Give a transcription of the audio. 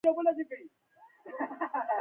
چې باید پام ورته شي